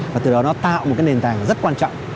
và từ đó nó tạo một cái nền tảng rất quan trọng